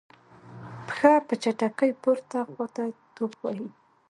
پښه په چټکۍ پورته خواته ټوپ وهي.